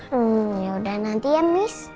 hmm yaudah nanti ya miss